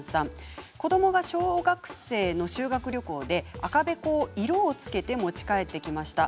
子どもが小学生の修学旅行で赤べこに色をつけて持ち帰ってきました。